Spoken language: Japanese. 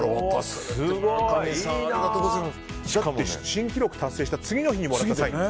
新記録達成した次の日にもらったんですね。